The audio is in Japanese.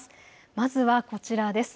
まずはこちらです。